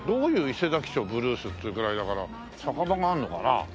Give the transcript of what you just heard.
『伊勢佐木町ブルース』っていうぐらいだから酒場があるのかな？